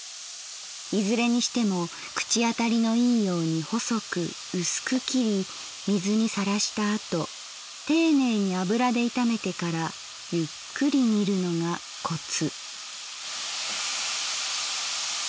いずれにしても口あたりのいいように細くうすく切り水にさらしたあとていねいに油で炒めてからゆっくり煮るのがコツ」。